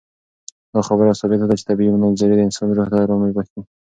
دا خبره ثابته ده چې طبیعي منظرې د انسان روح ته ارامي بښي.